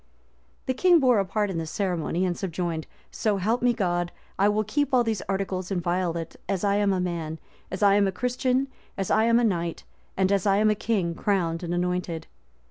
The king bore a part in this ceremony, and subjoined, "So help me God, I will keep all these articles inviolate, as I am a man, as I am a Christian, as I am a knight, and as I am a king crowned and anointed."